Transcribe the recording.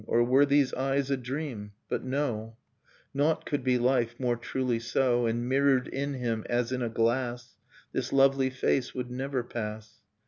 Or were these eyes a dream? ... But no: Naught could be life, more truly so ; And mirrored in him, as in a glass, This lovely face would never pass.